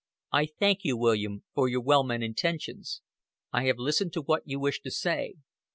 "I thank you, William, for your well meant intentions. I have listened to what you wished to say.